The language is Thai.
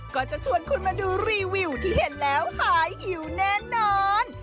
ก็จะชวนคุณมาดูรีวิวที่เห็นแล้วหายหิวแน่นอน